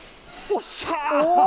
おっしゃー。